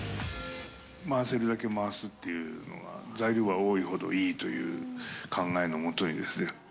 回せるだけ回すっていうのが、材料は多いほどいいという考えの下にですね。